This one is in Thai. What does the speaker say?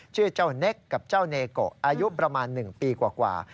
ชื่อเจ้าเน็กกับเจ้าเนโกอายุประมาณ๑ปีกว่า